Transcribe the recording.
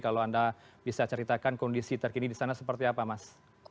kalau anda bisa ceritakan kondisi terkini di sana seperti apa mas